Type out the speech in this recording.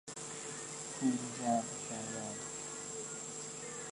پول جمع کردن